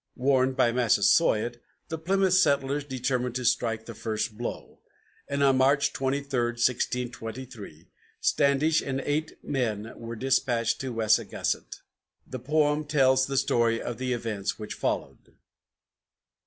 Warned by Massasoit, the Plymouth settlers determined to strike the first blow, and on March 23, 1623, Standish and eight men were dispatched to Wessagusset. The poem tells the story of the events which followed.